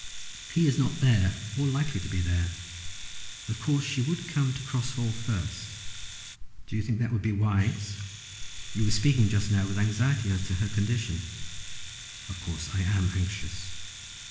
"He is not there or likely to be there. Of course she would come to Cross Hall first." "Do you think that would be wise? You were speaking just now with anxiety as to her condition." "Of course I am anxious."